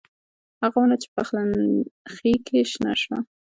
هغه ونه چې په پخلنخي کې شنه شوه